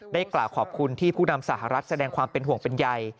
กล่าวขอบคุณที่ผู้นำสหรัฐแสดงความเป็นห่วงเป็นใย